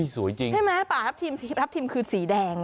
สวยจริงใช่ไหมป่าถับถิ่มคือสีแดง